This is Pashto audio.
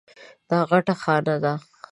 دا غټه خانه ده.